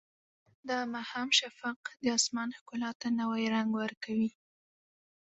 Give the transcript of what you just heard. د ماښام شفق د اسمان ښکلا ته نوی رنګ ورکوي.